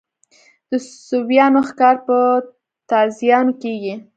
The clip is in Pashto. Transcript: د سویانو ښکار په تازیانو کېږي.